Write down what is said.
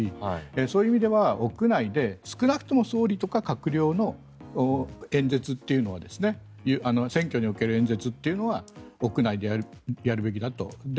そういう意味では屋内で少なくとも総理とか閣僚の演説というのは選挙における演説というのは屋内でやるべきだと。